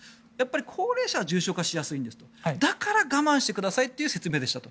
高齢者が重症化しやすいんですだから我慢してくださいという説明でしたと。